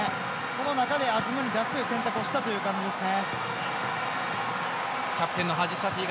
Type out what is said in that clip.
その中でアズムンに出す選択をしたということですね。